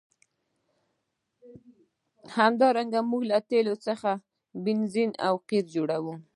همدارنګه موږ له تیلو څخه بنزین او قیر جوړوو.